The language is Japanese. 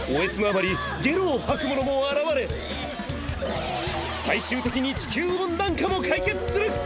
嗚咽のあまりゲロを吐く者も現れ最終的に地球温暖化も解決する！